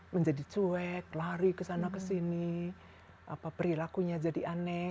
menjadi cuek lari kesana kesini perilakunya jadi aneh